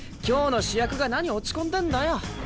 今日の主役が何落ち込んでんだよ。